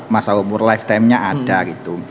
masa umur lifetime nya ada gitu